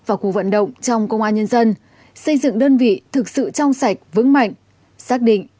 và cuộc vận động trong công an nhân dân xây dựng đơn vị thực sự trong sạch vững mạnh xác định